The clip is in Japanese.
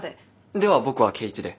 では僕は圭一で。